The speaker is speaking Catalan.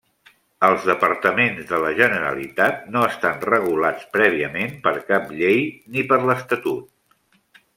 Els departaments de la Generalitat no estan regulats prèviament per cap llei ni per l'Estatut.